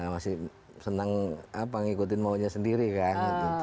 masih senang ngikutin maunya sendiri kan